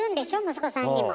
息子さんにも。